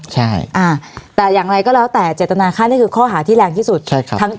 ใช่อ่าแต่อย่างไรก็แล้วแต่เจตนาค่านี่คือข้อหาที่แรงที่สุดใช่ครับ